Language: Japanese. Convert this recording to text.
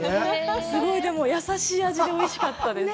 すごい、でも優しい味で、おいしかったです。